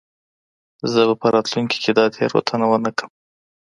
زه به په راتلونکې کې دا تېروتنه ونه کړم.